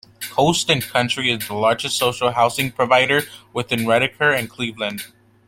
Coast and Country is the largest social housing provider within Redcar and Cleveland.